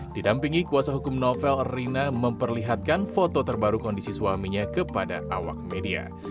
didampingi kuasa hukum novel rina memperlihatkan foto terbaru kondisi suaminya kepada awak media